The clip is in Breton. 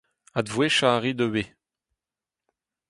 Advouezhiañ a rit ivez.